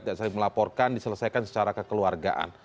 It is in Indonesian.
tidak saling melaporkan diselesaikan secara kekeluargaan